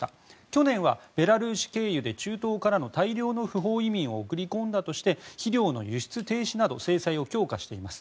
去年はベラルーシ経由で中東からの大量の不法移民を送り込んだとして肥料の輸出停止など制裁を強化しています。